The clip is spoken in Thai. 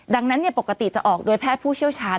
ดังนั้นปกติจะออกโดยแพทย์ผู้เชี่ยวชาญ